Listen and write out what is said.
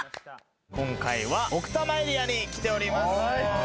今回は奥多摩エリアに来ております。